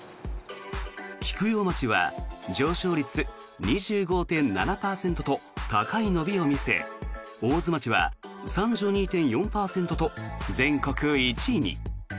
菊陽町は上昇率２５．７％と高い伸びを見せ大津町は３２．４％と全国１位に。